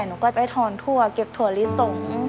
หนูก็ไปถอนถั่วเก็บถั่วลิสง